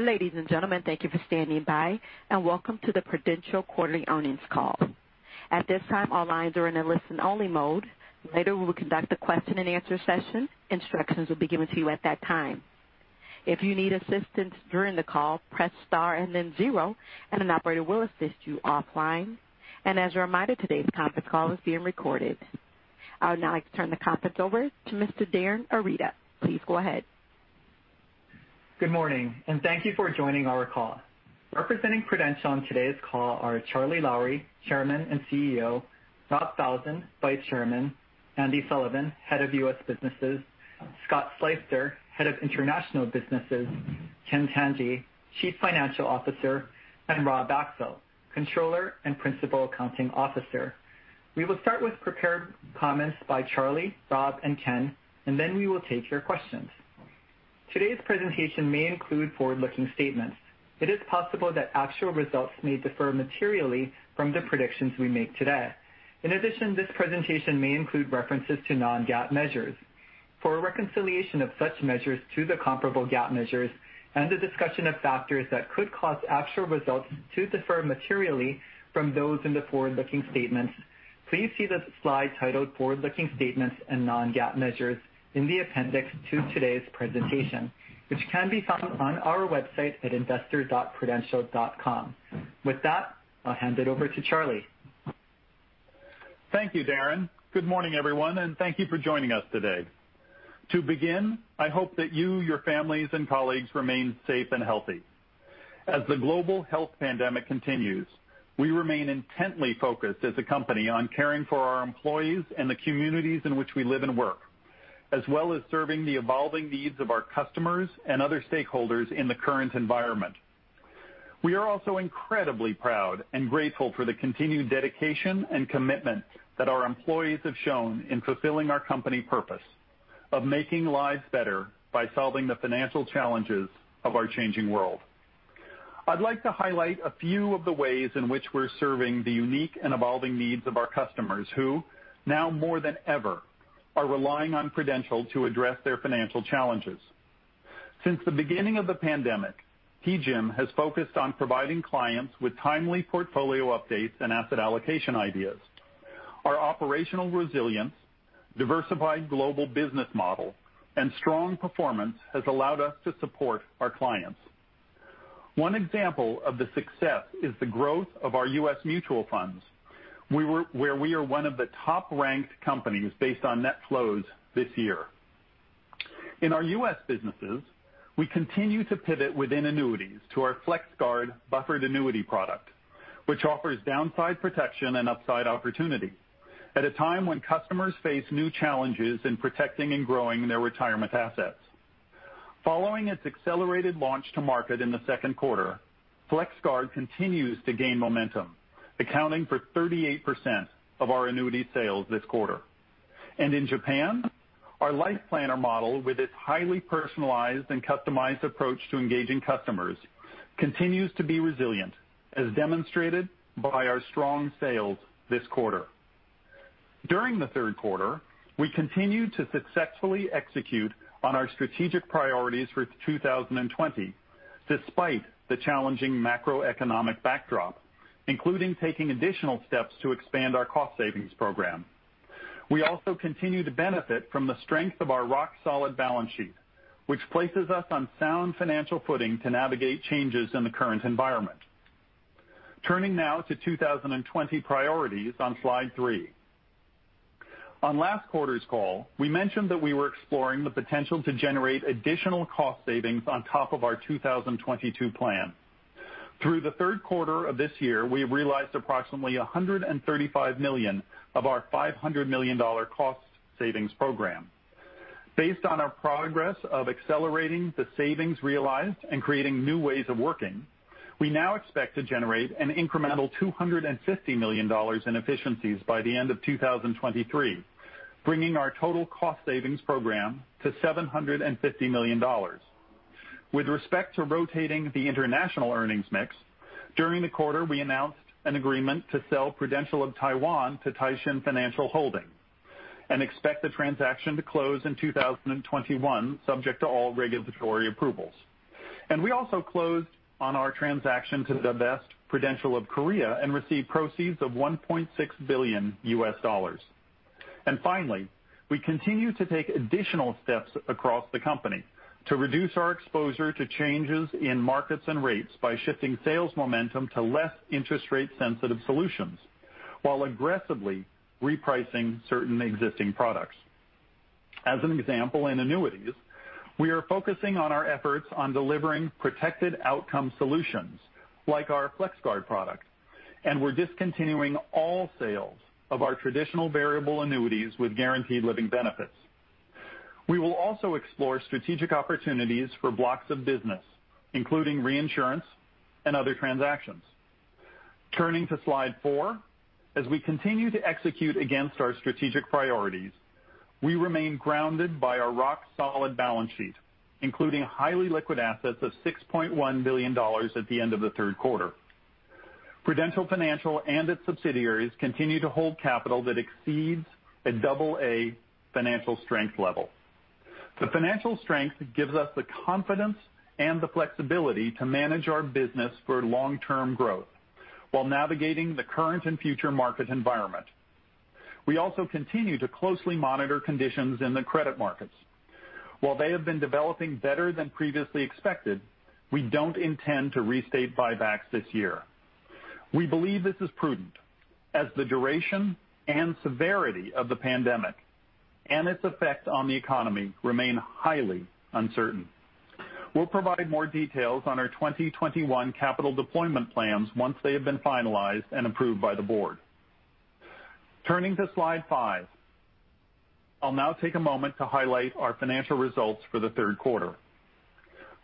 Ladies and gentlemen, thank you for standing by, and welcome to the Prudential Quarterly Earnings call. At this time, all lines are in a listen-only mode. Later, we will conduct a question-and-answer session. Instructions will be given to you at that time. If you need assistance during the call, press star and then zero, and an operator will assist you offline. As a reminder, today's conference call is being recorded. I would now like to turn the conference over to Mr. Darin Arita. Please go ahead. Good morning, and thank you for joining our call. Representing Prudential on today's call are Charlie Lowrey, Chairman and CEO, Scott Falzon, Vice Chairman, Andy Sullivan, Head of U.S. Businesses, Scott Sleyster, Head of International Businesses, Ken Tanji, Chief Financial Officer, and Rob Axel, Controller and Principal Accounting Officer. We will start with prepared comments by Charlie, Rob, and Ken, and then we will take your questions. Today's presentation may include forward-looking statements. It is possible that actual results may differ materially from the predictions we make today. In addition, this presentation may include references to non-GAAP measures. For reconciliation of such measures to the comparable GAAP measures and the discussion of factors that could cause actual results to differ materially from those in the forward-looking statements, please see the slide titled "Forward-looking Statements and Non-GAAP Measures" in the appendix to today's presentation, which can be found on our website at investor.prudential.com. With that, I'll hand it over to Charlie. Thank you, Darin. Good morning, everyone, and thank you for joining us today. To begin, I hope that you, your families, and colleagues remain safe and healthy. As the global health pandemic continues, we remain intently focused as a company on caring for our employees and the communities in which we live and work, as well as serving the evolving needs of our customers and other stakeholders in the current environment. We are also incredibly proud and grateful for the continued dedication and commitment that our employees have shown in fulfilling our company purpose of making lives better by solving the financial challenges of our changing world. I'd like to highlight a few of the ways in which we're serving the unique and evolving needs of our customers who, now more than ever, are relying on Prudential to address their financial challenges. Since the beginning of the pandemic, PGIM has focused on providing clients with timely portfolio updates and asset allocation ideas. Our operational resilience, diversified global business model, and strong performance have allowed us to support our clients. One example of the success is the growth of our U.S. mutual funds, where we are one of the top-ranked companies based on net flows this year. In our U.S. businesses, we continue to pivot within annuities to our FlexGuard buffered annuity product, which offers downside protection and upside opportunity at a time when customers face new challenges in protecting and growing their retirement assets. Following its accelerated launch to market in the second quarter, FlexGuard continues to gain momentum, accounting for 38% of our annuity sales this quarter. In Japan, our life planner model, with its highly personalized and customized approach to engaging customers, continues to be resilient, as demonstrated by our strong sales this quarter. During the third quarter, we continued to successfully execute on our strategic priorities for 2020, despite the challenging macroeconomic backdrop, including taking additional steps to expand our cost savings program. We also continue to benefit from the strength of our rock-solid balance sheet, which places us on sound financial footing to navigate changes in the current environment. Turning now to 2020 priorities on slide three. On last quarter's call, we mentioned that we were exploring the potential to generate additional cost savings on top of our 2022 plan. Through the third quarter of this year, we have realized approximately $135 million of our $500 million cost savings program. Based on our progress of accelerating the savings realized and creating new ways of working, we now expect to generate an incremental $250 million in efficiencies by the end of 2023, bringing our total cost savings program to $750 million. With respect to rotating the international earnings mix, during the quarter, we announced an agreement to sell Prudential of Taiwan to Taishin Financial Holding and expect the transaction to close in 2021, subject to all regulatory approvals. We also closed on our transaction to divest Prudential of Korea and received proceeds of $1.6 billion. Finally, we continue to take additional steps across the company to reduce our exposure to changes in markets and rates by shifting sales momentum to less interest rate-sensitive solutions while aggressively repricing certain existing products. As an example, in annuities, we are focusing our efforts on delivering protected outcome solutions like our FlexGuard product, and we're discontinuing all sales of our traditional variable annuities with guaranteed living benefits. We will also explore strategic opportunities for blocks of business, including reinsurance and other transactions. Turning to slide four, as we continue to execute against our strategic priorities, we remain grounded by our rock-solid balance sheet, including highly liquid assets of $6.1 billion at the end of the third quarter. Prudential Financial and its subsidiaries continue to hold capital that exceeds a AA financial strength level. The financial strength gives us the confidence and the flexibility to manage our business for long-term growth while navigating the current and future market environment. We also continue to closely monitor conditions in the credit markets. While they have been developing better than previously expected, we do not intend to restate buybacks this year. We believe this is prudent, as the duration and severity of the pandemic and its effect on the economy remain highly uncertain. We will provide more details on our 2021 capital deployment plans once they have been finalized and approved by the board. Turning to slide five, I will now take a moment to highlight our financial results for the third quarter.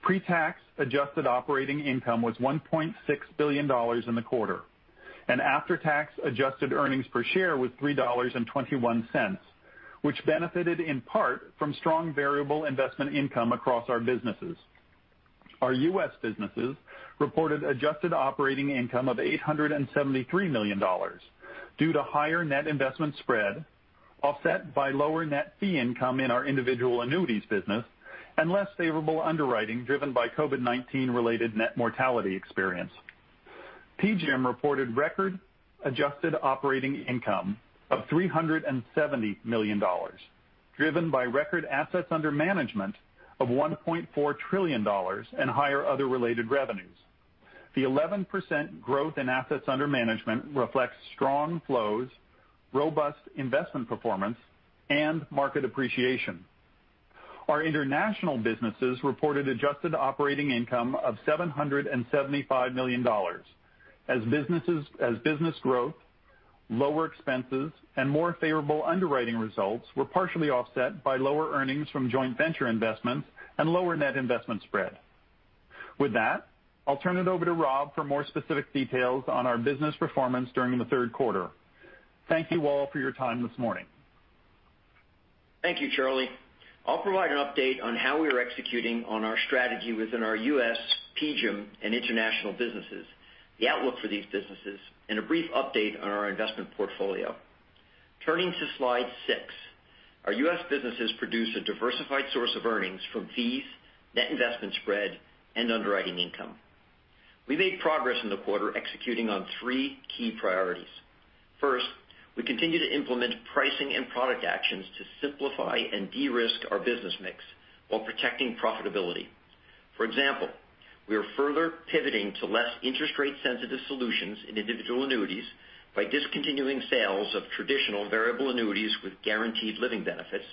Pre-tax, adjusted operating income was $1.6 billion in the quarter, and after-tax, adjusted earnings per share was $3.21, which benefited in part from strong variable investment income across our businesses. Our U.S. businesses reported adjusted operating income of $873 million due to higher net investment spread, offset by lower net fee income in our individual annuities business and less favorable underwriting driven by COVID-19-related net mortality experience. PGIM reported record adjusted operating income of $370 million, driven by record assets under management of $1.4 trillion and higher other related revenues. The 11% growth in assets under management reflects strong flows, robust investment performance, and market appreciation. Our international businesses reported adjusted operating income of $775 million, as business growth, lower expenses, and more favorable underwriting results were partially offset by lower earnings from joint venture investments and lower net investment spread. With that, I'll turn it over to Rob for more specific details on our business performance during the third quarter. Thank you all for your time this morning. Thank you, Charlie. I'll provide an update on how we are executing on our strategy within our U.S., PGIM, and international businesses, the outlook for these businesses, and a brief update on our investment portfolio. Turning to slide six, our U.S. businesses produce a diversified source of earnings from fees, net investment spread, and underwriting income. We made progress in the quarter executing on three key priorities. First, we continue to implement pricing and product actions to simplify and de-risk our business mix while protecting profitability. For example, we are further pivoting to less interest rate-sensitive solutions in individual annuities by discontinuing sales of traditional variable annuities with guaranteed living benefits,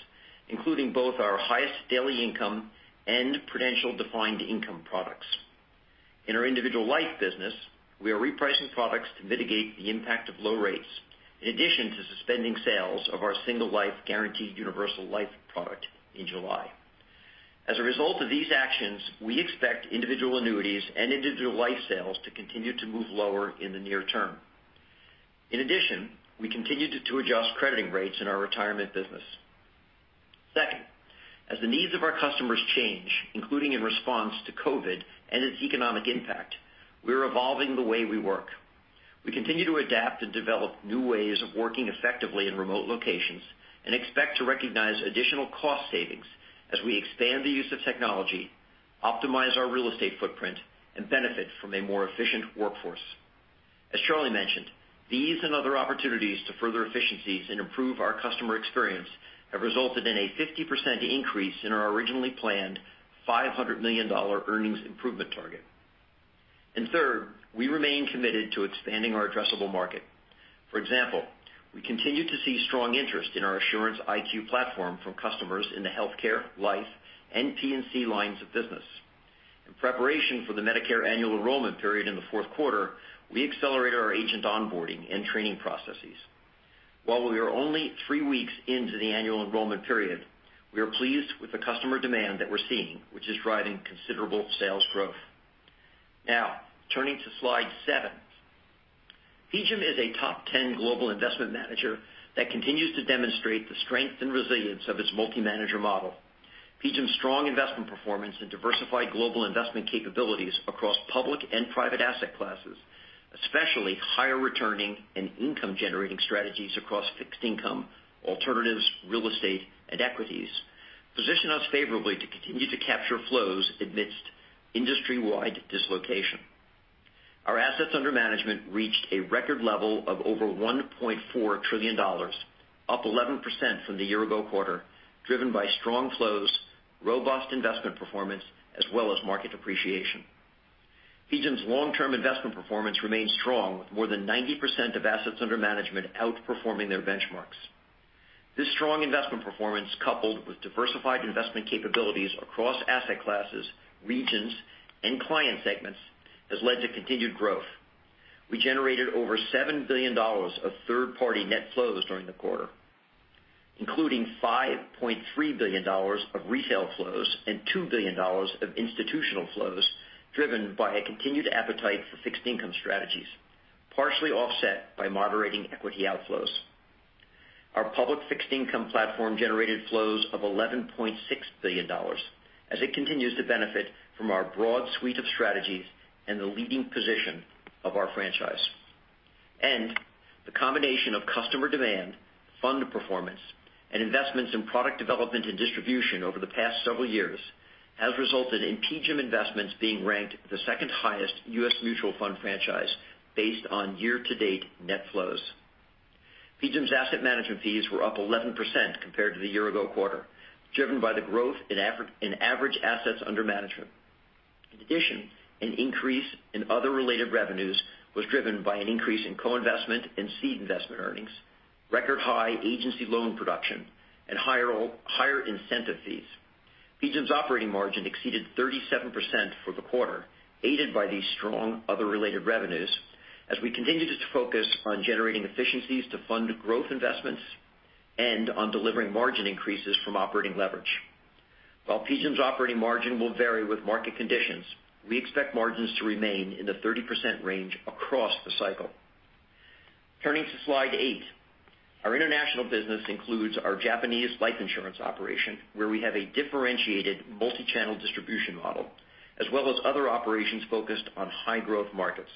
including both our highest daily income and Prudential Defined Income products. In our individual life business, we are repricing products to mitigate the impact of low rates, in addition to suspending sales of our Single Life Guaranteed Universal Life product in July. As a result of these actions, we expect individual annuities and individual life sales to continue to move lower in the near term. In addition, we continue to adjust crediting rates in our retirement business. Second, as the needs of our customers change, including in response to COVID and its economic impact, we are evolving the way we work. We continue to adapt and develop new ways of working effectively in remote locations and expect to recognize additional cost savings as we expand the use of technology, optimize our real estate footprint, and benefit from a more efficient workforce. As Charlie mentioned, these and other opportunities to further efficiencies and improve our customer experience have resulted in a 50% increase in our originally planned $500 million earnings improvement target. Third, we remain committed to expanding our addressable market. For example, we continue to see strong interest in our Assurance IQ platform from customers in the healthcare, life, and P&C lines of business. In preparation for the Medicare annual enrollment period in the fourth quarter, we accelerated our agent onboarding and training processes. While we are only three weeks into the annual enrollment period, we are pleased with the customer demand that we're seeing, which is driving considerable sales growth. Now, turning to slide seven, PGIM is a top 10 global investment manager that continues to demonstrate the strength and resilience of its multi-manager model. PGIM's strong investment performance and diversified global investment capabilities across public and private asset classes, especially higher returning and income-generating strategies across fixed income, alternatives, real estate, and equities, position us favorably to continue to capture flows amidst industry-wide dislocation. Our assets under management reached a record level of over $1.4 trillion, up 11% from the year-ago quarter, driven by strong flows, robust investment performance, as well as market appreciation. PGIM's long-term investment performance remains strong, with more than 90% of assets under management outperforming their benchmarks. This strong investment performance, coupled with diversified investment capabilities across asset classes, regions, and client segments, has led to continued growth. We generated over $7 billion of third-party net flows during the quarter, including $5.3 billion of retail flows and $2 billion of institutional flows, driven by a continued appetite for fixed income strategies, partially offset by moderating equity outflows. Our public fixed income platform generated flows of $11.6 billion, as it continues to benefit from our broad suite of strategies and the leading position of our franchise. The combination of customer demand, fund performance, and investments in product development and distribution over the past several years has resulted in PGIM investments being ranked the second highest U.S. mutual fund franchise based on year-to-date net flows. PGIM's asset management fees were up 11% compared to the year-ago quarter, driven by the growth in average assets under management. In addition, an increase in other related revenues was driven by an increase in co-investment and seed investment earnings, record-high agency loan production, and higher incentive fees. PGIM's operating margin exceeded 37% for the quarter, aided by these strong other related revenues, as we continue to focus on generating efficiencies to fund growth investments and on delivering margin increases from operating leverage. While PGIM's operating margin will vary with market conditions, we expect margins to remain in the 30% range across the cycle. Turning to slide eight, our international business includes our Japanese life insurance operation, where we have a differentiated multi-channel distribution model, as well as other operations focused on high-growth markets.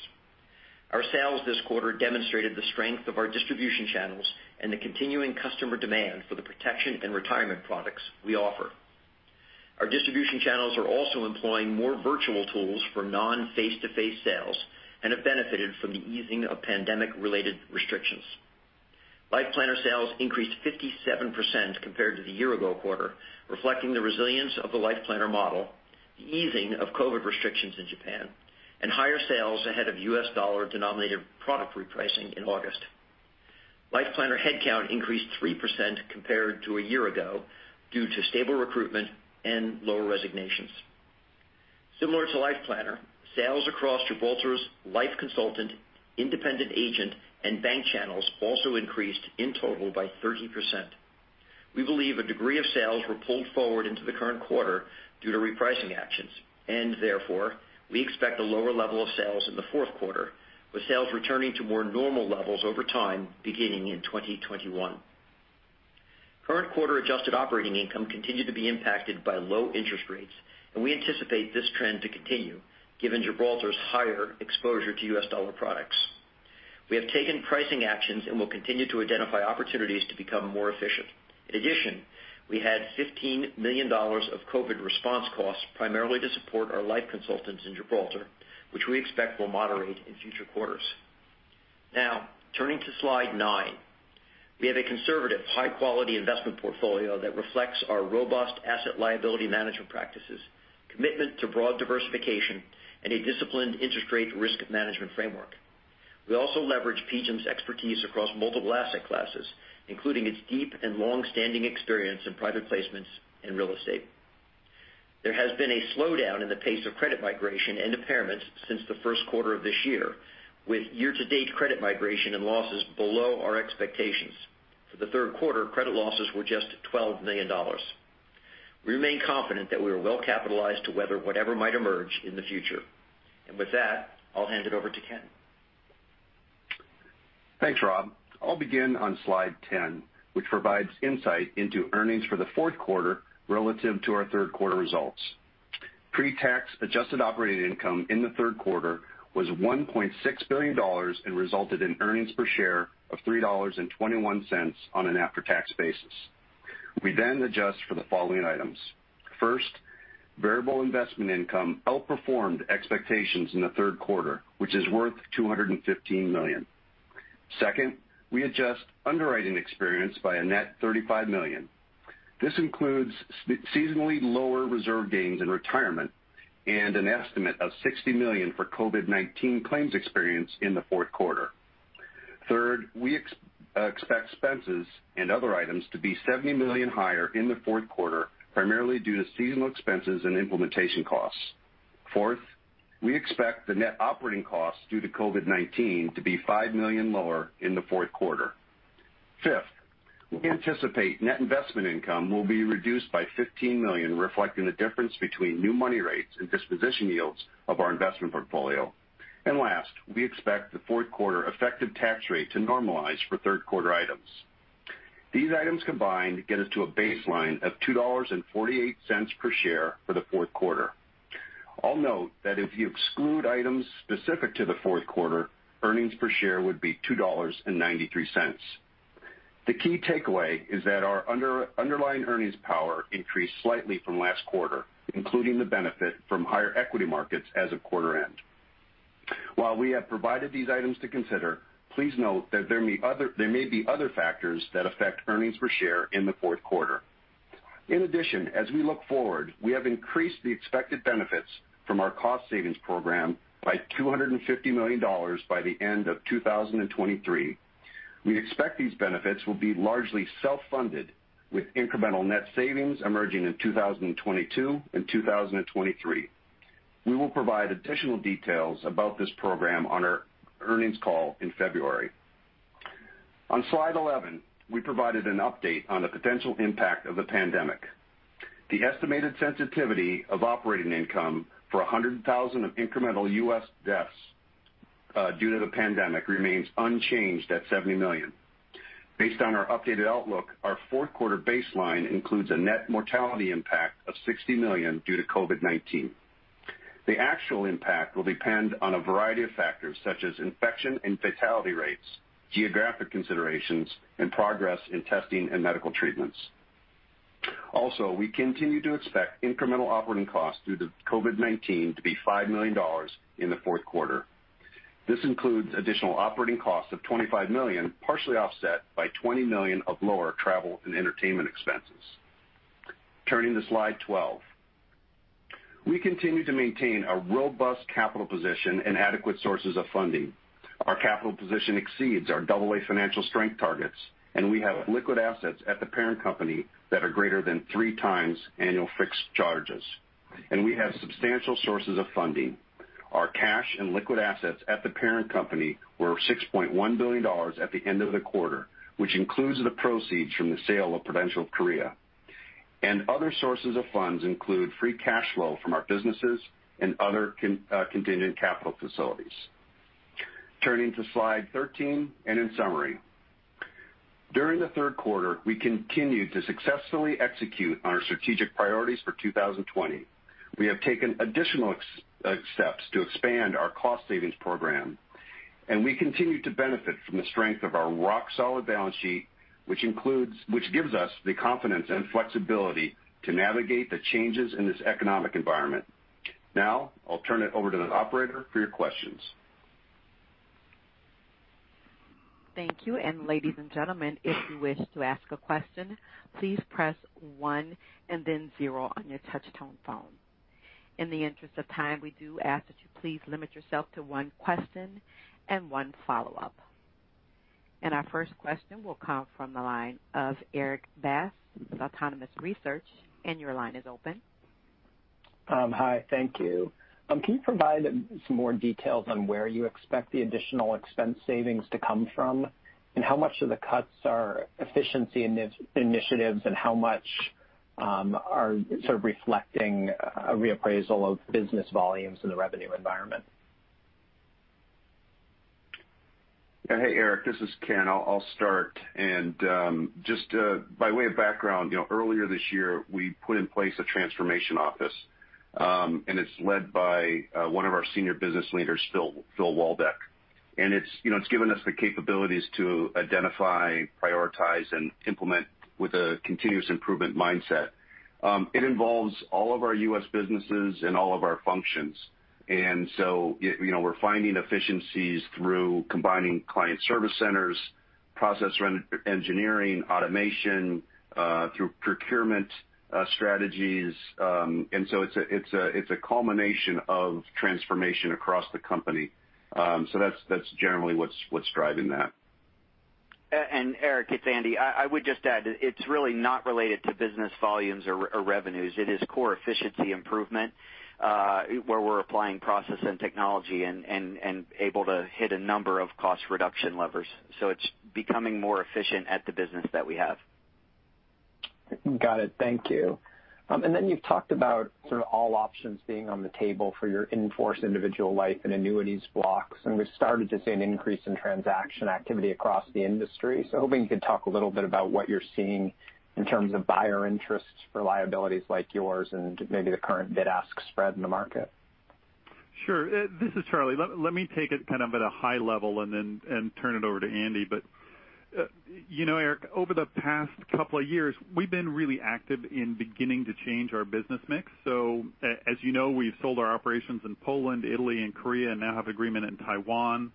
Our sales this quarter demonstrated the strength of our distribution channels and the continuing customer demand for the protection and retirement products we offer. Our distribution channels are also employing more virtual tools for non-face-to-face sales and have benefited from the easing of pandemic-related restrictions. Life planner sales increased 57% compared to the year-ago quarter, reflecting the resilience of the Life Planner model, the easing of COVID restrictions in Japan, and higher sales ahead of U.S. dollar-denominated product repricing in August. Life planner headcount increased 3% compared to a year ago due to stable recruitment and lower resignations. Similar to life planner, sales across Gibraltar's life consultant, independent agent, and bank channels also increased in total by 30%. We believe a degree of sales were pulled forward into the current quarter due to repricing actions, and therefore, we expect a lower level of sales in the fourth quarter, with sales returning to more normal levels over time beginning in 2021. Current quarter adjusted operating income continued to be impacted by low interest rates, and we anticipate this trend to continue, given Gibraltar's higher exposure to U.S. dollar products. We have taken pricing actions and will continue to identify opportunities to become more efficient. In addition, we had $15 million of COVID response costs primarily to support our life consultants in Gibraltar, which we expect will moderate in future quarters. Now, turning to slide nine, we have a conservative, high-quality investment portfolio that reflects our robust asset liability management practices, commitment to broad diversification, and a disciplined interest rate risk management framework. We also leverage PGIM's expertise across multiple asset classes, including its deep and long-standing experience in private placements and real estate. There has been a slowdown in the pace of credit migration and impairments since the first quarter of this year, with year-to-date credit migration and losses below our expectations. For the third quarter, credit losses were just $12 million. We remain confident that we are well capitalized to weather whatever might emerge in the future. With that, I'll hand it over to Ken. Thanks, Rob. I'll begin on slide 10, which provides insight into earnings for the fourth quarter relative to our third quarter results. Pre-tax, adjusted operating income in the third quarter was $1.6 billion and resulted in earnings per share of $3.21 on an after-tax basis. We then adjust for the following items. First, variable investment income outperformed expectations in the third quarter, which is worth $215 million. Second, we adjust underwriting experience by a net $35 million. This includes seasonally lower reserve gains in retirement and an estimate of $60 million for COVID-19 claims experience in the fourth quarter. Third, we expect expenses and other items to be $70 million higher in the fourth quarter, primarily due to seasonal expenses and implementation costs. Fourth, we expect the net operating costs due to COVID-19 to be $5 million lower in the fourth quarter. Fifth, we anticipate net investment income will be reduced by $15 million, reflecting the difference between new money rates and disposition yields of our investment portfolio. Last, we expect the fourth quarter effective tax rate to normalize for third quarter items. These items combined get us to a baseline of $2.48 per share for the fourth quarter. I'll note that if you exclude items specific to the fourth quarter, earnings per share would be $2.93. The key takeaway is that our underlying earnings power increased slightly from last quarter, including the benefit from higher equity markets as of quarter end. While we have provided these items to consider, please note that there may be other factors that affect earnings per share in the fourth quarter. In addition, as we look forward, we have increased the expected benefits from our cost savings program by $250 million by the end of 2023. We expect these benefits will be largely self-funded, with incremental net savings emerging in 2022 and 2023. We will provide additional details about this program on our earnings call in February. On slide 11, we provided an update on the potential impact of the pandemic. The estimated sensitivity of operating income for 100,000 incremental U.S. deaths due to the pandemic remains unchanged at $70 million. Based on our updated outlook, our fourth quarter baseline includes a net mortality impact of $60 million due to COVID-19. The actual impact will depend on a variety of factors, such as infection and fatality rates, geographic considerations, and progress in testing and medical treatments. Also, we continue to expect incremental operating costs due to COVID-19 to be $5 million in the fourth quarter. This includes additional operating costs of $25 million, partially offset by $20 million of lower travel and entertainment expenses. Turning to slide 12, we continue to maintain a robust capital position and adequate sources of funding. Our capital position exceeds our AA financial strength targets, and we have liquid assets at the parent company that are greater than three times annual fixed charges. We have substantial sources of funding. Our cash and liquid assets at the parent company were $6.1 billion at the end of the quarter, which includes the proceeds from the sale of Prudential of Korea. Other sources of funds include free cash flow from our businesses and other contingent capital facilities. Turning to slide 13 and in summary, during the third quarter, we continue to successfully execute on our strategic priorities for 2020. We have taken additional steps to expand our cost savings program, and we continue to benefit from the strength of our rock-solid balance sheet, which gives us the confidence and flexibility to navigate the changes in this economic environment. Now, I'll turn it over to the operator for your questions. Thank you. Ladies and gentlemen, if you wish to ask a question, please press one and then zero on your touch-tone phone. In the interest of time, we do ask that you please limit yourself to one question and one follow-up. Our first question will come from the line of Erik Bass with Autonomous Research, and your line is open. Hi, thank you. Can you provide some more details on where you expect the additional expense savings to come from, and how much of the cuts are efficiency initiatives, and how much are sort of reflecting a reappraisal of business volumes in the revenue environment? Hey, Erik, this is Ken. I'll start. Just by way of background, earlier this year, we put in place a transformation office, and it's led by one of our senior business leaders, Phil Waldeck. It's given us the capabilities to identify, prioritize, and implement with a continuous improvement mindset. It involves all of our U.S. businesses and all of our functions. We're finding efficiencies through combining client service centers, process engineering, automation, through procurement strategies. It's a culmination of transformation across the company. That's generally what's driving that. Erik, it's Andy. I would just add, it's really not related to business volumes or revenues. It is core efficiency improvement where we're applying process and technology and able to hit a number of cost reduction levers. It is becoming more efficient at the business that we have. Got it. Thank you. You have talked about sort of all options being on the table for your in-force individual life and annuities blocks. We started to see an increase in transaction activity across the industry. Hoping you could talk a little bit about what you are seeing in terms of buyer interest for liabilities like yours and maybe the current bid-ask spread in the market. Sure. This is Charlie. Let me take it kind of at a high level and then turn it over to Andy. You know, Erik, over the past couple of years, we've been really active in beginning to change our business mix. As you know, we've sold our operations in Poland, Italy, and Korea, and now have agreement in Taiwan.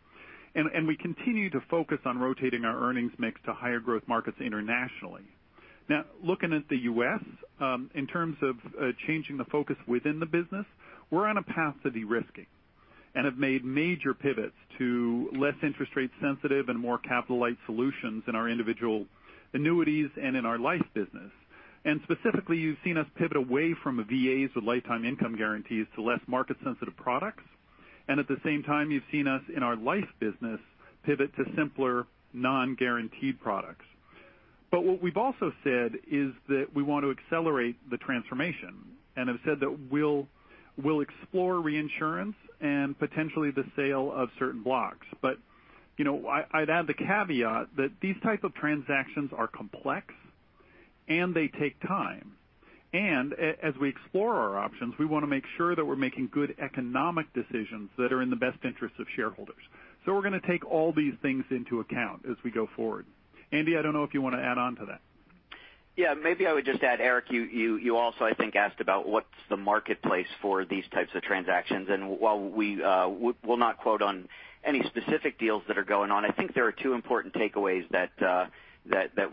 We continue to focus on rotating our earnings mix to higher growth markets internationally. Now, looking at the U.S., in terms of changing the focus within the business, we're on a path to de-risking and have made major pivots to less interest rate sensitive and more capital-light solutions in our individual annuities and in our life business. Specifically, you've seen us pivot away from VAs with lifetime income guarantees to less market-sensitive products. At the same time, you've seen us in our life business pivot to simpler non-guaranteed products. What we've also said is that we want to accelerate the transformation and have said that we'll explore reinsurance and potentially the sale of certain blocks. I would add the caveat that these types of transactions are complex, and they take time. As we explore our options, we want to make sure that we're making good economic decisions that are in the best interest of shareholders. We are going to take all these things into account as we go forward. Andy, I don't know if you want to add on to that. Yeah, maybe I would just add, Erik, you also, I think, asked about what's the marketplace for these types of transactions. While we will not quote on any specific deals that are going on, I think there are two important takeaways that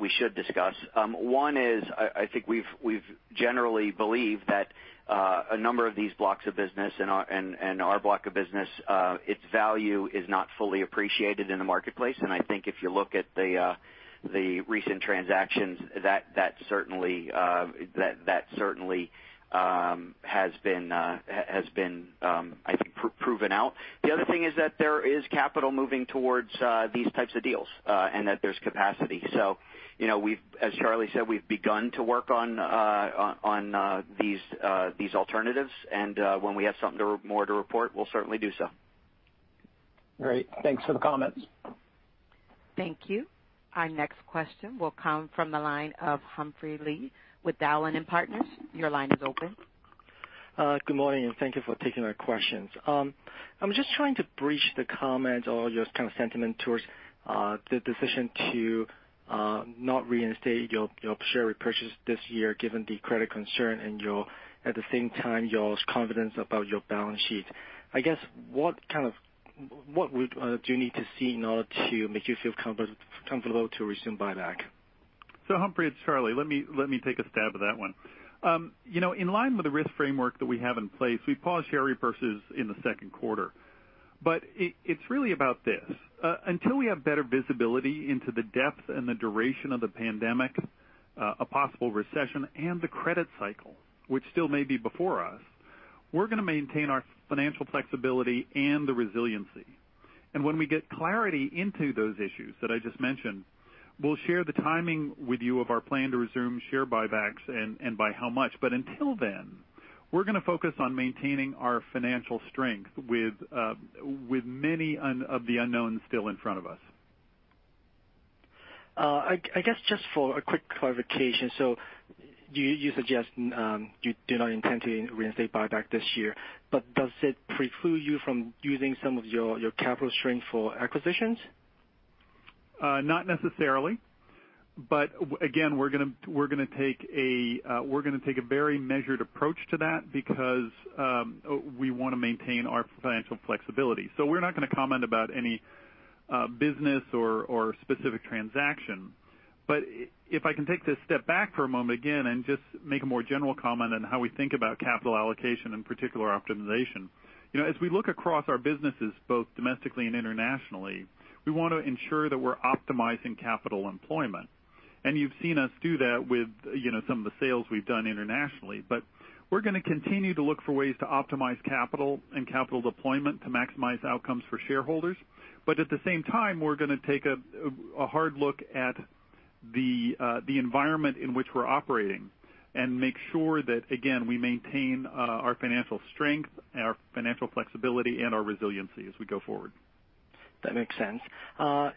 we should discuss. One is, I think we've generally believed that a number of these blocks of business and our block of business, its value is not fully appreciated in the marketplace. I think if you look at the recent transactions, that certainly has been, I think, proven out. The other thing is that there is capital moving towards these types of deals and that there's capacity. As Charlie said, we've begun to work on these alternatives. When we have something more to report, we'll certainly do so. All right. Thanks for the comments. Thank you. Our next question will come from the line of Humphrey Lee with Dowling & Partners. Your line is open. Good morning, and thank you for taking our questions. I'm just trying to bridge the comments or your kind of sentiment towards the decision to not reinstate your share repurchase this year, given the credit concern and at the same time your confidence about your balance sheet. I guess, what do you need to see in order to make you feel comfortable to resume buyback? Humphrey and Charlie, let me take a stab at that one. In line with the risk framework that we have in place, we paused share repurchase in the second quarter. It is really about this. Until we have better visibility into the depth and the duration of the pandemic, a possible recession, and the credit cycle, which still may be before us, we are going to maintain our financial flexibility and the resiliency. When we get clarity into those issues that I just mentioned, we will share the timing with you of our plan to resume share buybacks and by how much. Until then, we are going to focus on maintaining our financial strength with many of the unknowns still in front of us. I guess just for a quick clarification, you suggest you do not intend to reinstate buyback this year, but does it preclude you from using some of your capital strength for acquisitions? Not necessarily. Again, we're going to take a very measured approach to that because we want to maintain our financial flexibility. We're not going to comment about any business or specific transaction. If I can take this step back for a moment again and just make a more general comment on how we think about capital allocation and particular optimization. As we look across our businesses, both domestically and internationally, we want to ensure that we're optimizing capital employment. You've seen us do that with some of the sales we've done internationally. We're going to continue to look for ways to optimize capital and capital deployment to maximize outcomes for shareholders. At the same time, we're going to take a hard look at the environment in which we're operating and make sure that, again, we maintain our financial strength, our financial flexibility, and our resiliency as we go forward. That makes sense. My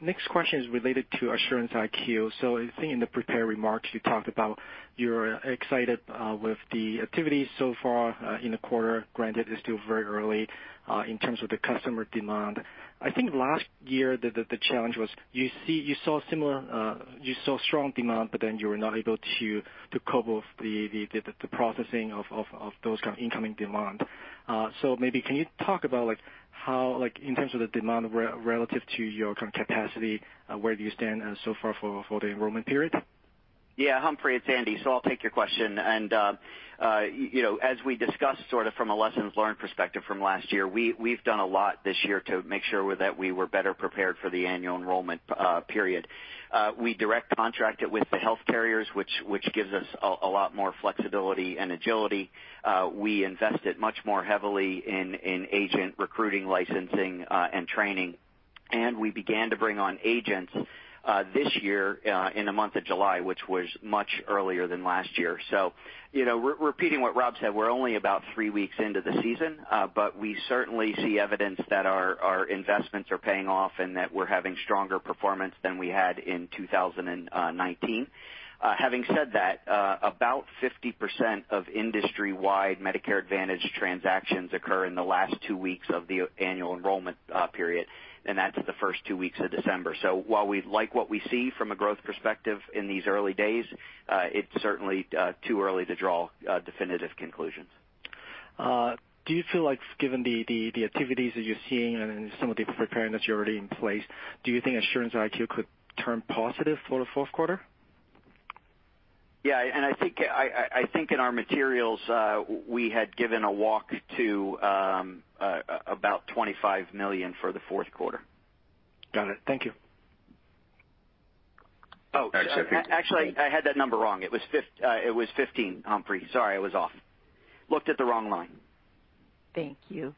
next question is related to Assurance IQ. I think in the prepared remarks, you talked about you're excited with the activities so far in the quarter. Granted, it's still very early in terms of the customer demand. I think last year, the challenge was you saw strong demand, but then you were not able to cope with the processing of those kind of incoming demand. Maybe can you talk about how, in terms of the demand relative to your kind of capacity, where do you stand so far for the enrollment period? Yeah, Humphrey, it's Andy. I'll take your question. As we discussed sort of from a lessons learned perspective from last year, we've done a lot this year to make sure that we were better prepared for the annual enrollment period. We direct contracted with the health carriers, which gives us a lot more flexibility and agility. We invested much more heavily in agent recruiting, licensing, and training. We began to bring on agents this year in the month of July, which was much earlier than last year. Repeating what Rob said, we're only about three weeks into the season, but we certainly see evidence that our investments are paying off and that we're having stronger performance than we had in 2019. Having said that, about 50% of industry-wide Medicare Advantage transactions occur in the last two weeks of the annual enrollment period, and that's the first two weeks of December. While we like what we see from a growth perspective in these early days, it's certainly too early to draw definitive conclusions. Do you feel like, given the activities that you're seeing and some of the preparedness you're already in place, do you think Assurance IQ could turn positive for the fourth quarter? Yeah. I think in our materials, we had given a walk to about $25 million for the fourth quarter. Got it. Thank you. Oh, sorry. Actually, I had that number wrong. It was $15 million, Humphrey. Sorry, I was off. Looked at the wrong line. Thank you.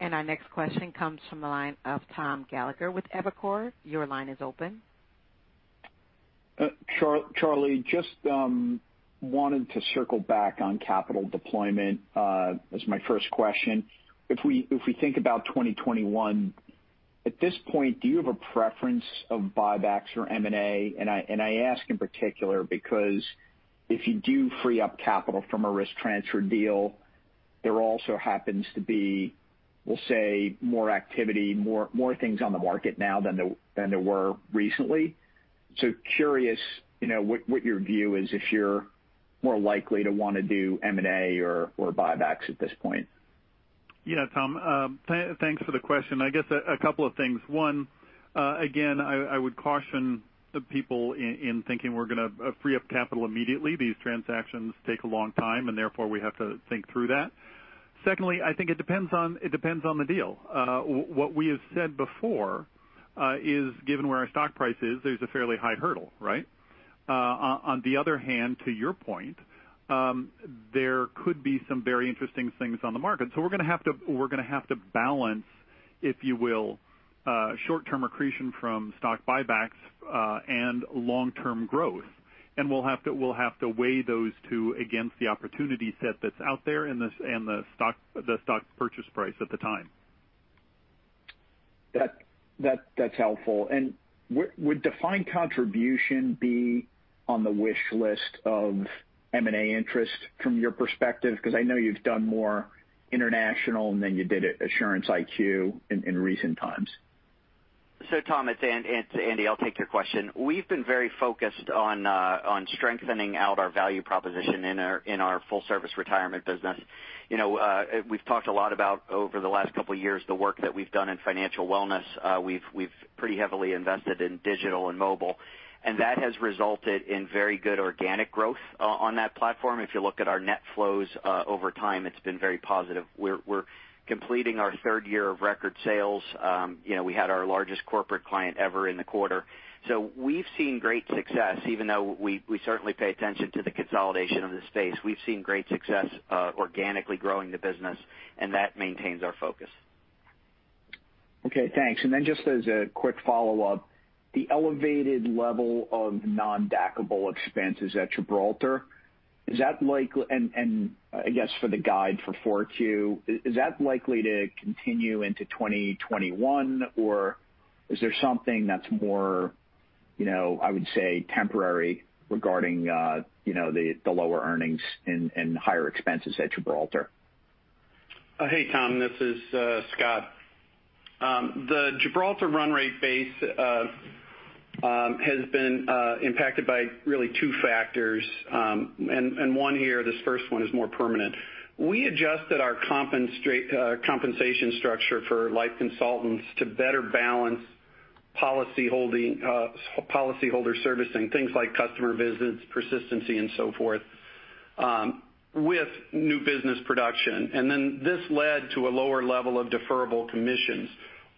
Our next question comes from the line of Tom Gallagher with Evercore. Your line is open. Charlie, just wanted to circle back on capital deployment as my first question. If we think about 2021, at this point, do you have a preference of buybacks or M&A? I ask in particular because if you do free up capital from a risk transfer deal, there also happens to be, we'll say, more activity, more things on the market now than there were recently. Curious what your view is if you're more likely to want to do M&A or buybacks at this point. Yeah, Tom, thanks for the question. I guess a couple of things. One, again, I would caution the people in thinking we're going to free up capital immediately. These transactions take a long time, and therefore we have to think through that. Secondly, I think it depends on the deal. What we have said before is, given where our stock price is, there's a fairly high hurdle, right? On the other hand, to your point, there could be some very interesting things on the market. We have to balance, if you will, short-term accretion from stock buybacks and long-term growth. We have to weigh those two against the opportunity set that's out there and the stock purchase price at the time. That's helpful. Would defined contribution be on the wish list of M&A interest from your perspective? Because I know you've done more international than you did Assurance IQ in recent times. Tom, it's Andy. I'll take your question. We've been very focused on strengthening our value proposition in our full-service retirement business. We've talked a lot about over the last couple of years the work that we've done in financial wellness. We've pretty heavily invested in digital and mobile. That has resulted in very good organic growth on that platform. If you look at our net flows over time, it's been very positive. We're completing our third year of record sales. We had our largest corporate client ever in the quarter. We've seen great success, even though we certainly pay attention to the consolidation of the space. We've seen great success organically growing the business, and that maintains our focus. Okay. Thanks. Just as a quick follow-up, the elevated level of non-backable expenses at Gibraltar, is that likely? I guess for the guide for Fortue, is that likely to continue into 2021, or is there something that's more, I would say, temporary regarding the lower earnings and higher expenses at Gibraltar? Hey, Tom, this is Scott. The Gibraltar run rate base has been impacted by really two factors. One here, this first one is more permanent. We adjusted our compensation structure for life consultants to better balance policyholder servicing, things like customer visits, persistency, and so forth, with new business production. This led to a lower level of deferable commissions.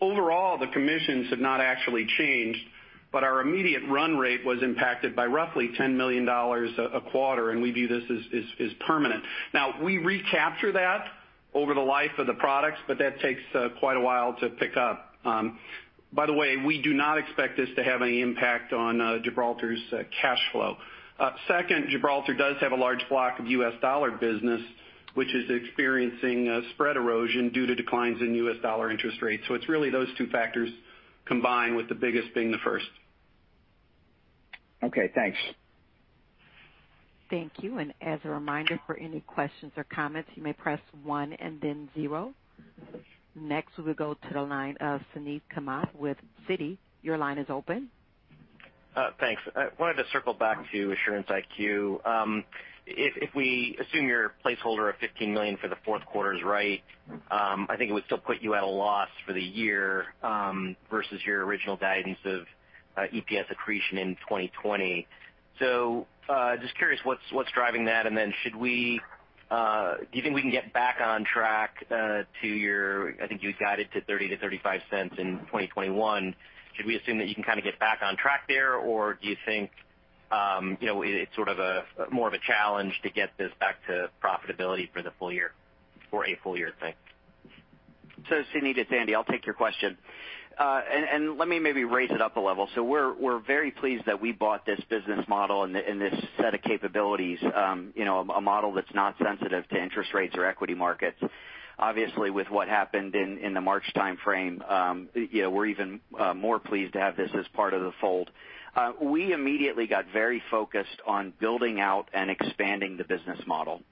Overall, the commissions have not actually changed, but our immediate run rate was impacted by roughly $10 million a quarter, and we view this as permanent. We recapture that over the life of the products, but that takes quite a while to pick up. By the way, we do not expect this to have any impact on Gibraltar's cash flow. Second, Gibraltar does have a large block of US dollar business, which is experiencing spread erosion due to declines in US dollar interest rates. It is really those two factors combined with the biggest being the first. Okay. Thanks. Thank you. As a reminder, for any questions or comments, you may press one and then zero. Next, we will go to the line of Suneet Kamath with Citi. Your line is open. Thanks. I wanted to circle back to Assurance IQ. If we assume your placeholder of $15 million for the fourth quarter is right, I think it would still put you at a loss for the year versus your original guidance of EPS accretion in 2020. Just curious what's driving that. Should we do you think we can get back on track to your I think you guided to $0.30-$0.35 in 2021? Should we assume that you can kind of get back on track there, or do you think it's sort of more of a challenge to get this back to profitability for the full year for a full year thing? Suneet, it's Andy. I'll take your question. Let me maybe raise it up a level. We're very pleased that we bought this business model and this set of capabilities, a model that's not sensitive to interest rates or equity markets. Obviously, with what happened in the March timeframe, we're even more pleased to have this as part of the fold. We immediately got very focused on building out and expanding the business model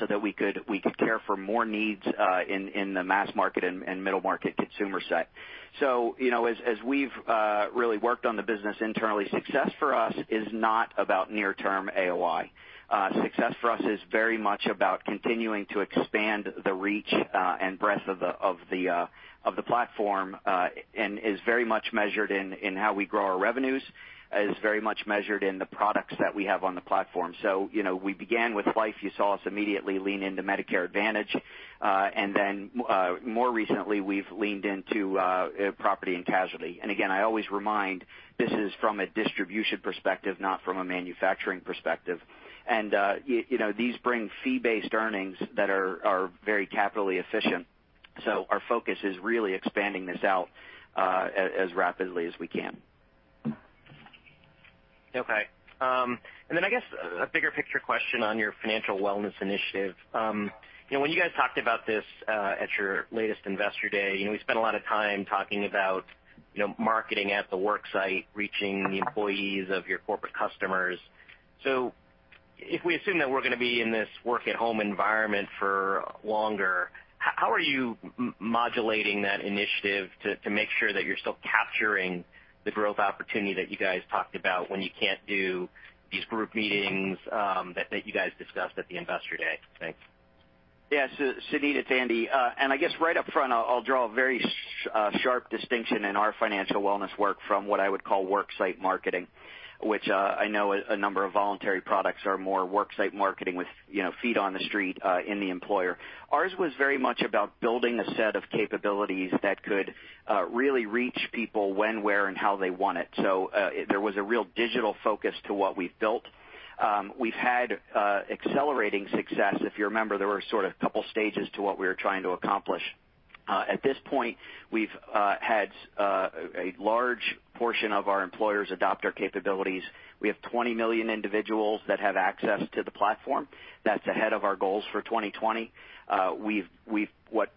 so that we could care for more needs in the mass market and middle market consumer set. As we've really worked on the business internally, success for us is not about near-term AOI. Success for us is very much about continuing to expand the reach and breadth of the platform and is very much measured in how we grow our revenues, is very much measured in the products that we have on the platform. We began with life. You saw us immediately lean into Medicare Advantage. More recently, we've leaned into property and casualty. I always remind, this is from a distribution perspective, not from a manufacturing perspective. These bring fee-based earnings that are very capitally efficient. Our focus is really expanding this out as rapidly as we can. Okay. I guess a bigger picture question on your financial wellness initiative. When you guys talked about this at your latest investor day, we spent a lot of time talking about marketing at the work site, reaching the employees of your corporate customers. If we assume that we're going to be in this work-at-home environment for longer, how are you modulating that initiative to make sure that you're still capturing the growth opportunity that you guys talked about when you can't do these group meetings that you guys discussed at the investor day? Thanks. Yeah. Suneet, it's Andy. I guess right up front, I'll draw a very sharp distinction in our financial wellness work from what I would call work-site marketing, which I know a number of voluntary products are more work-site marketing with feet on the street in the employer. Ours was very much about building a set of capabilities that could really reach people when, where, and how they want it. There was a real digital focus to what we've built. We've had accelerating success. If you remember, there were sort of a couple of stages to what we were trying to accomplish. At this point, we've had a large portion of our employers adopt our capabilities. We have 20 million individuals that have access to the platform. That's ahead of our goals for 2020. We've, in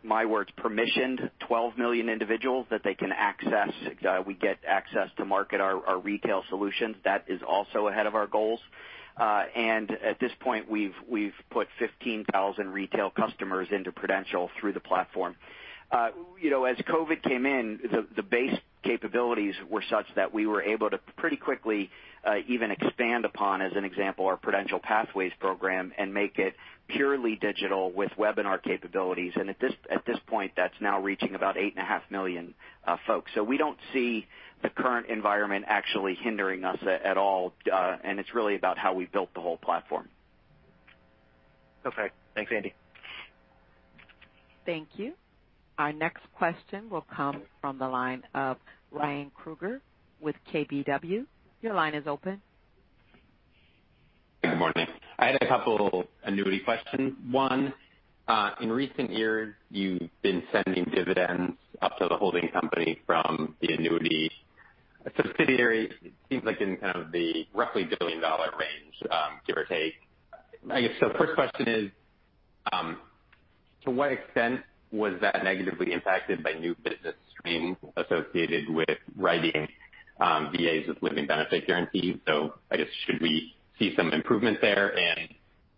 my words, permissioned 12 million individuals that they can access. We get access to market our retail solutions. That is also ahead of our goals. At this point, we've put 15,000 retail customers into Prudential through the platform. As COVID came in, the base capabilities were such that we were able to pretty quickly even expand upon, as an example, our Prudential Pathways program and make it purely digital with webinar capabilities. At this point, that's now reaching about 8.5 million folks. We do not see the current environment actually hindering us at all. It is really about how we built the whole platform. Okay. Thanks, Andy. Thank you. Our next question will come from the line of Ryan Krueger with KBW. Your line is open. Good morning. I had a couple of annuity questions. One, in recent years, you've been sending dividends up to the holding company from the annuity subsidiary. It seems like in kind of the roughly billion-dollar range, give or take. I guess the first question is, to what extent was that negatively impacted by new business streams associated with writing VAs with living benefit guarantees? I guess should we see some improvement there?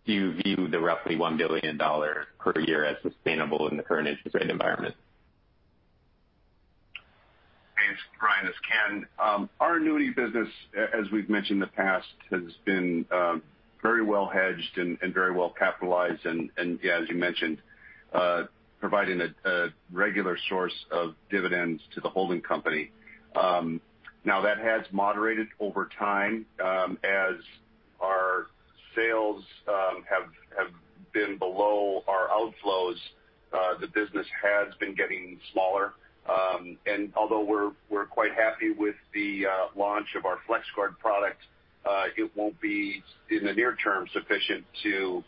Do you view the roughly $1 billion per year as sustainable in the current interest rate environment? Thanks, Ryan. As Ken, our annuity business, as we've mentioned in the past, has been very well hedged and very well capitalized and, as you mentioned, providing a regular source of dividends to the holding company. Now, that has moderated over time as our sales have been below our outflows. The business has been getting smaller. Although we're quite happy with the launch of our FlexGuard product, it won't be, in the near term, sufficient to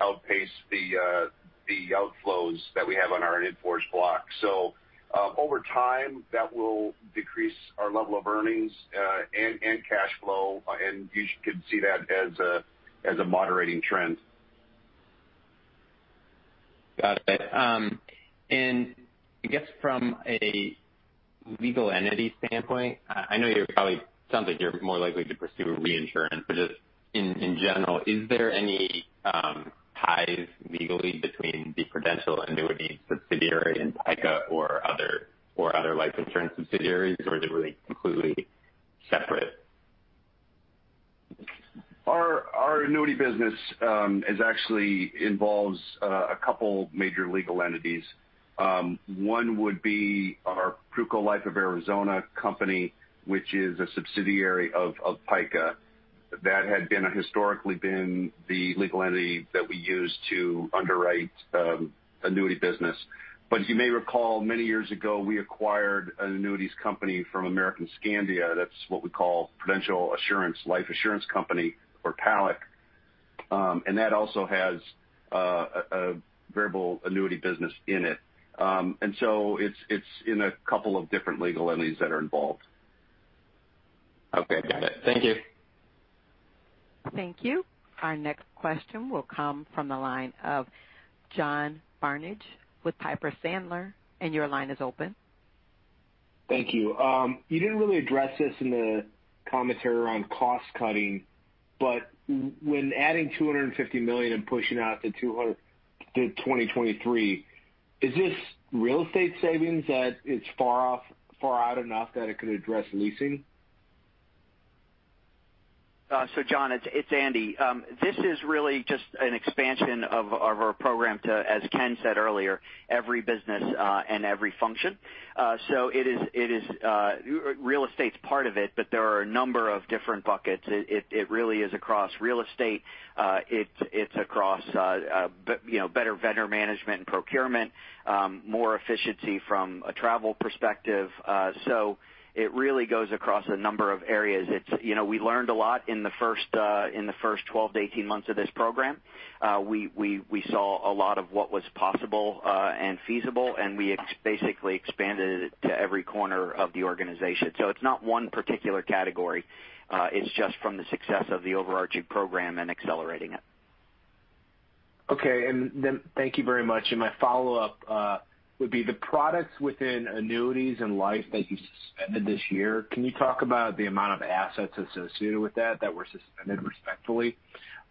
outpace the outflows that we have on our enforce block. Over time, that will decrease our level of earnings and cash flow. You could see that as a moderating trend. Got it. I guess from a legal entity standpoint, I know you're probably sounds like you're more likely to pursue reinsurance. Just in general, is there any ties legally between the Prudential annuity subsidiary and PICA or other life insurance subsidiaries, or is it really completely separate? Our annuity business actually involves a couple of major legal entities. One would be our Pruco Life Insurance Company of Arizona, which is a subsidiary of PICA. That had historically been the legal entity that we used to underwrite annuity business. You may recall, many years ago, we acquired an annuities company from American Skandia. That's what we call Prudential Assurance Life Insurance Company or PALIC. That also has a variable annuity business in it. It's in a couple of different legal entities that are involved. Okay. Got it. Thank you. Thank you. Our next question will come from the line of John Barnidge with Piper Sandler. Your line is open. Thank you. You did not really address this in the commentary on cost cutting. When adding $250 million and pushing out to 2023, is this real estate savings that is far out enough that it could address leasing? John, it's Andy. This is really just an expansion of our program to, as Ken said earlier, every business and every function. Real estate's part of it, but there are a number of different buckets. It really is across real estate. It's across better vendor management and procurement, more efficiency from a travel perspective. It really goes across a number of areas. We learned a lot in the first 12 to 18 months of this program. We saw a lot of what was possible and feasible, and we basically expanded it to every corner of the organization. It's not one particular category. It's just from the success of the overarching program and accelerating it. Okay. Thank you very much. My follow-up would be the products within annuities and life that you suspended this year. Can you talk about the amount of assets associated with that that were suspended respectfully?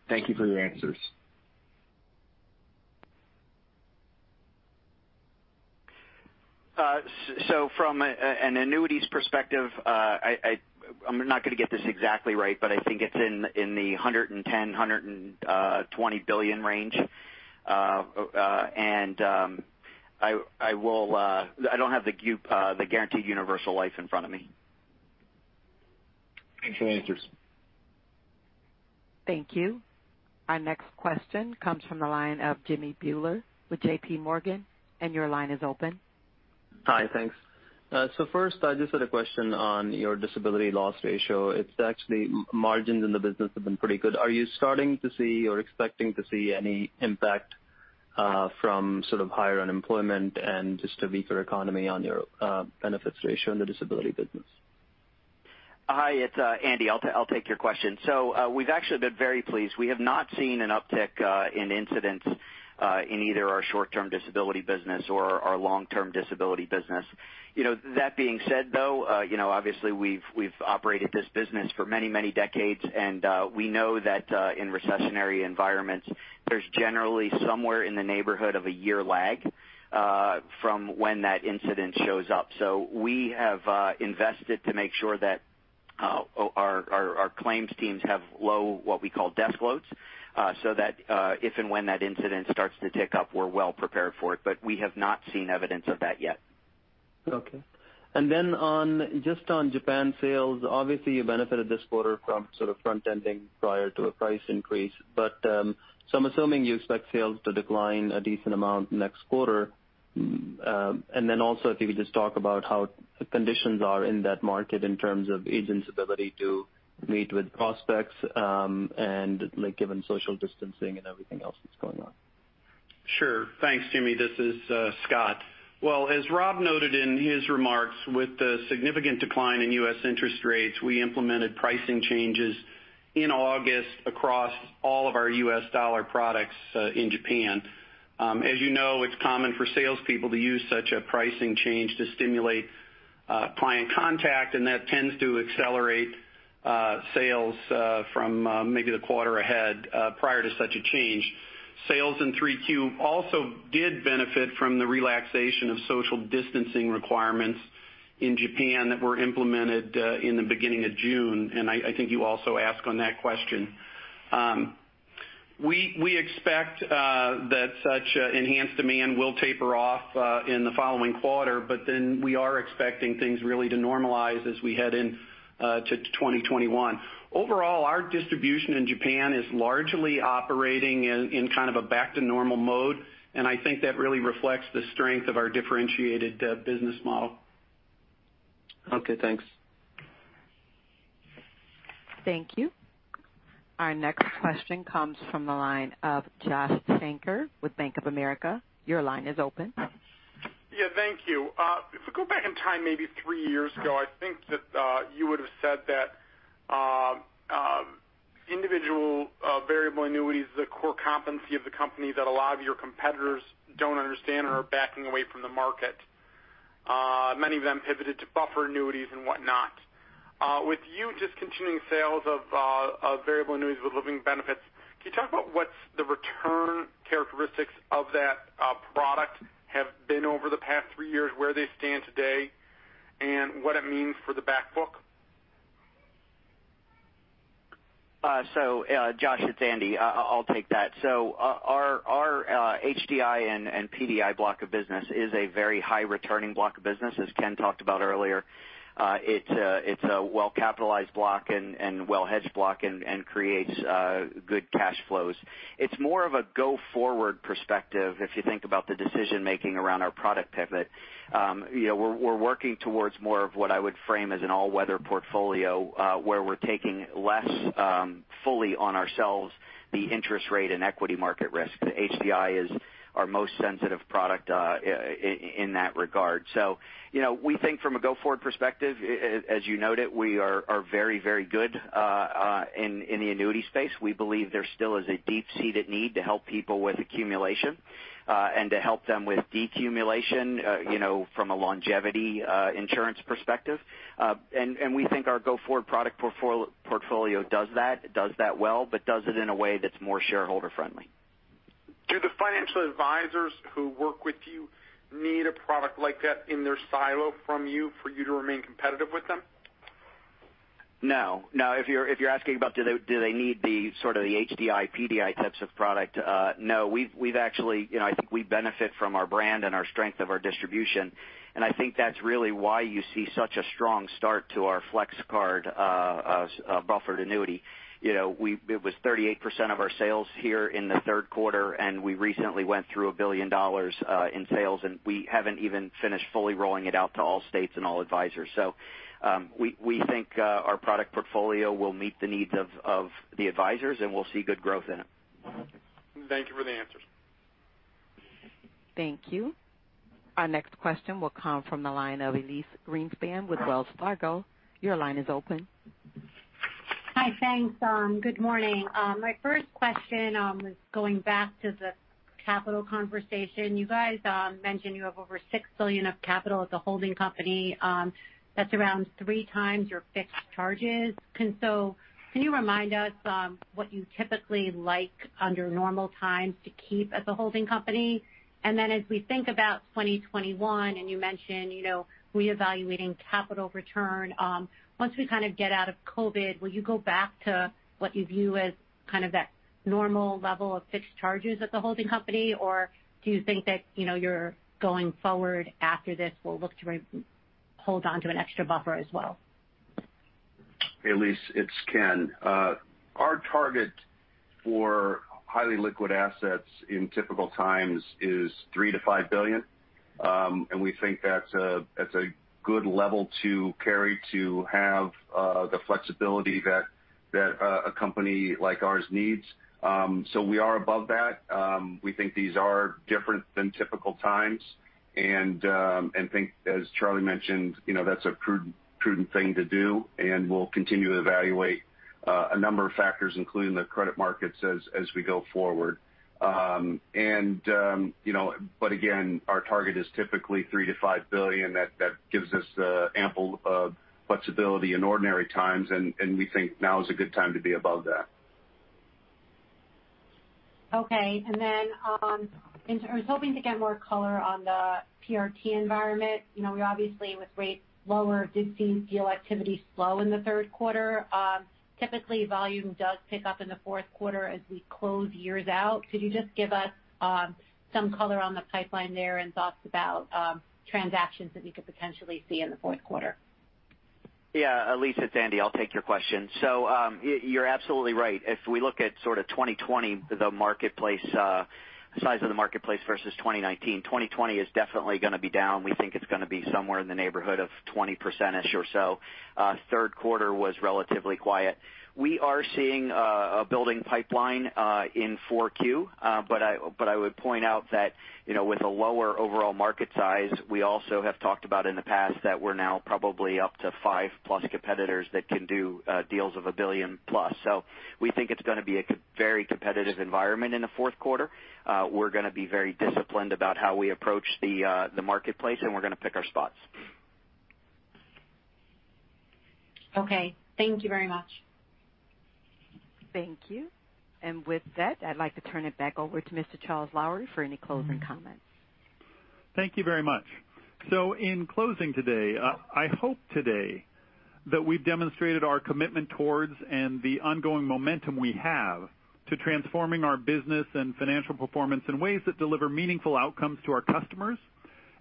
Thank you for your answers. From an annuities perspective, I'm not going to get this exactly right, but I think it's in the $110 billion-$120 billion range. I don't have the guaranteed universal life in front of me. Thanks for the answers. Thank you. Our next question comes from the line of Jimmy Bhullar with JPMorgan. Your line is open. Hi. Thanks. First, I just had a question on your disability loss ratio. Actually, margins in the business have been pretty good. Are you starting to see or expecting to see any impact from sort of higher unemployment and just a weaker economy on your benefits ratio in the disability business? Hi. It's Andy. I'll take your question. We've actually been very pleased. We have not seen an uptick in incidents in either our short-term disability business or our long-term disability business. That being said, obviously, we've operated this business for many, many decades. We know that in recessionary environments, there's generally somewhere in the neighborhood of a year lag from when that incident shows up. We have invested to make sure that our claims teams have low, what we call, desk loads so that if and when that incident starts to tick up, we're well prepared for it. We have not seen evidence of that yet. Okay. And then just on Japan sales, obviously, you benefited this quarter from sort of front-ending prior to a price increase. I am assuming you expect sales to decline a decent amount next quarter. Also, if you could just talk about how conditions are in that market in terms of agents' ability to meet with prospects and given social distancing and everything else that's going on. Sure. Thanks, Jimmy. This is Scott. As Rob noted in his remarks, with the significant decline in U.S. interest rates, we implemented pricing changes in August across all of our U.S. dollar products in Japan. As you know, it's common for salespeople to use such a pricing change to stimulate client contact, and that tends to accelerate sales from maybe the quarter ahead prior to such a change. Sales in 3Q also did benefit from the relaxation of social distancing requirements in Japan that were implemented in the beginning of June. I think you also asked on that question. We expect that such enhanced demand will taper off in the following quarter. We are expecting things really to normalize as we head into 2021. Overall, our distribution in Japan is largely operating in kind of a back-to-normal mode. I think that really reflects the strength of our differentiated business model. Okay. Thanks. Thank you. Our next question comes from the line of Josh Shanker with Bank of America. Your line is open. Yeah. Thank you. If we go back in time, maybe three years ago, I think that you would have said that individual variable annuities are the core competency of the company that a lot of your competitors do not understand or are backing away from the market. Many of them pivoted to buffer annuities and whatnot. With you discontinuing sales of variable annuities with living benefits, can you talk about what the return characteristics of that product have been over the past three years, where they stand today, and what it means for the backbook? Josh, it's Andy. I'll take that. Our HDI and PDI block of business is a very high-returning block of business, as Ken talked about earlier. It's a well-capitalized block and well-hedged block and creates good cash flows. It's more of a go-forward perspective if you think about the decision-making around our product pivot. We're working towards more of what I would frame as an all-weather portfolio where we're taking less fully on ourselves, the interest rate and equity market risk. The HDI is our most sensitive product in that regard. We think from a go-forward perspective, as you noted, we are very, very good in the annuity space. We believe there still is a deep-seated need to help people with accumulation and to help them with decumulation from a longevity insurance perspective. We think our go-forward product portfolio does that, does that well, but does it in a way that's more shareholder-friendly. Do the financial advisors who work with you need a product like that in their silo from you for you to remain competitive with them? No. No. If you're asking about do they need sort of the HDI, PDI types of product, no. I think we benefit from our brand and our strength of our distribution. I think that's really why you see such a strong start to our FlexGuard buffered annuity. It was 38% of our sales here in the third quarter, and we recently went through a billion dollars in sales. We haven't even finished fully rolling it out to all states and all advisors. We think our product portfolio will meet the needs of the advisors, and we'll see good growth in it. Thank you for the answers. Thank you. Our next question will come from the line of Elyse Greenspan with Wells Fargo. Your line is open. Hi. Thanks. Good morning. My first question was going back to the capital conversation. You guys mentioned you have over $6 billion of capital at the holding company. That's around three times your fixed charges. Can you remind us what you typically like under normal times to keep at the holding company? As we think about 2021, and you mentioned reevaluating capital return, once we kind of get out of COVID, will you go back to what you view as kind of that normal level of fixed charges at the holding company, or do you think that you're going forward after this will look to hold on to an extra buffer as well? Elyse, it's Ken. Our target for highly liquid assets in typical times is $3 billion-$5 billion. We think that's a good level to carry to have the flexibility that a company like ours needs. We are above that. We think these are different than typical times. I think, as Charlie mentioned, that's a prudent thing to do. We will continue to evaluate a number of factors, including the credit markets, as we go forward. Again, our target is typically $3 billion-$5 billion. That gives us ample flexibility in ordinary times. We think now is a good time to be above that. Okay. I was hoping to get more color on the PRT environment. We obviously, with rates lower, did see deal activity slow in the third quarter. Typically, volume does pick up in the fourth quarter as we close years out. Could you just give us some color on the pipeline there and thoughts about transactions that you could potentially see in the fourth quarter? Yeah. Elyse, it's Andy. I'll take your question. You're absolutely right. If we look at sort of 2020, the size of the marketplace versus 2019, 2020 is definitely going to be down. We think it's going to be somewhere in the neighborhood of 20% or so. Third quarter was relatively quiet. We are seeing a building pipeline in 4Q. I would point out that with a lower overall market size, we also have talked about in the past that we're now probably up to five-plus competitors that can do deals of a billion-plus. We think it's going to be a very competitive environment in the fourth quarter. We're going to be very disciplined about how we approach the marketplace, and we're going to pick our spots. Okay. Thank you very much. Thank you. With that, I'd like to turn it back over to Mr. Charlie Lowrey for any closing comments. Thank you very much. In closing today, I hope today that we've demonstrated our commitment towards and the ongoing momentum we have to transforming our business and financial performance in ways that deliver meaningful outcomes to our customers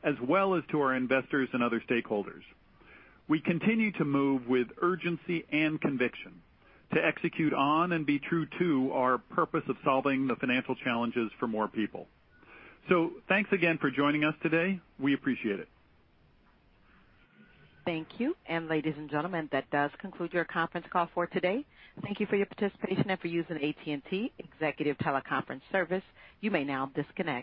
as well as to our investors and other stakeholders. We continue to move with urgency and conviction to execute on and be true to our purpose of solving the financial challenges for more people. Thanks again for joining us today. We appreciate it. Thank you. Ladies and gentlemen, that does conclude your conference call for today. Thank you for your participation and for using AT&T Executive TeleConference Service. You may now disconnect.